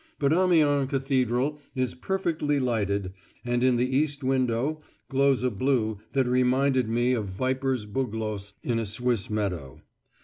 But Amiens Cathedral is perfectly lighted, and in the east window glows a blue that reminded me of viper's bugloss in a Swiss meadow.